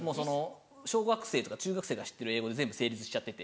小学生とか中学生が知ってる英語で全部成立しちゃってて。